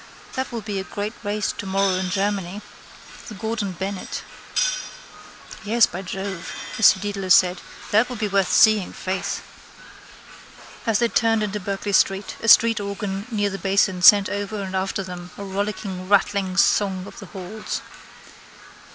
That will be a great race tomorrow in Germany. The Gordon Bennett. —Yes, by Jove, Mr Dedalus said. That will be worth seeing, faith. As they turned into Berkeley street a streetorgan near the Basin sent over and after them a rollicking rattling song of the halls.